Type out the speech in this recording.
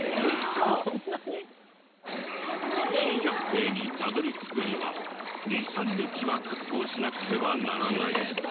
珍百景にたどり着くには２３日は覚悟しなくてはならない。